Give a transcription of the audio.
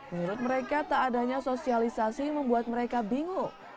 menurut mereka tak adanya sosialisasi membuat mereka bingung